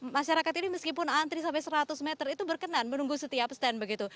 masyarakat ini meskipun antri sampai seratus meter itu berkenan menunggu setiap stand begitu